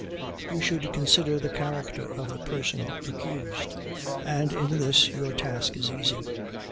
You should consider the character of the person accused; and in this your task is easy.